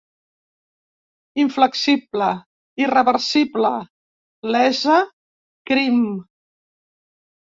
Inflexible, irreversible, lesa, crim...